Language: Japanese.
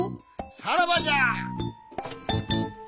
さらばじゃ！